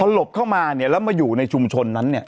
หลบเข้ามาเนี่ยแล้วมาอยู่ในชุมชนนั้นเนี่ย